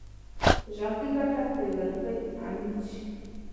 په شخصي ګټه په يوه روپۍ امين شي